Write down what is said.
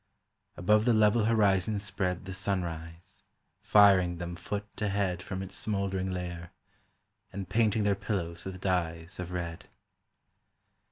Above the level horizon spread The sunrise, firing them foot to head From its smouldering lair, And painting their pillows with dyes of red.